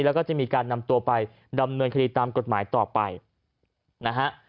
แล้วก็จะมีการนำตัวไปดำเนินคดีตามกฎหมายต่อไปนะฮะ